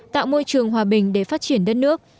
tạo môi trường hòa bình để phát triển đất nước